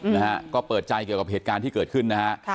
นะฮะก็เปิดใจเกี่ยวกับเหตุการณ์ที่เกิดขึ้นนะฮะค่ะ